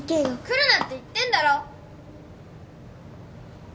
来るなって言ってんだろ！